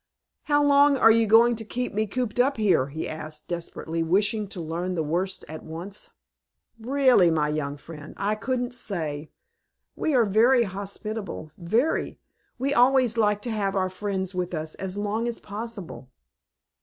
"How long are you going to keep me cooped up here?" he asked, desperately, wishing to learn the worst at once. "Really, my young friend, I couldn't say. We are very hospitable, very. We always like to have our friends with us as long as possible."